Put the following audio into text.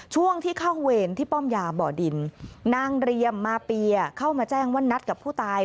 ช่วงที่เข้าเวรที่ป้อมยาบ่อดินนางเรียมมาเปียเข้ามาแจ้งว่านัดกับผู้ตาย